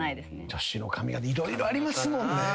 女子の髪形色々ありますもんね。